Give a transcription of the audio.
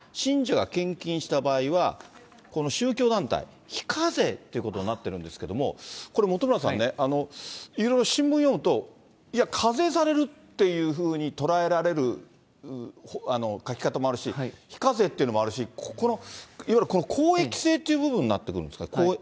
一般的に公益を目的とする事業の活動の場合は、信者が献金した場合は、この宗教団体、非課税っていうことになってるんですけども、これ、本村さんね、いろいろ新聞読むと、いや、課税されるっていうふうに捉えられる書き方もあるし、非課税っていうのもあるし、ここのいわゆる公益性っていう部分になってくるんですか？